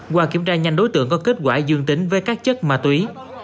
qua kiểm tra nhanh đối tượng có kết quả dương tính với các chất ma túy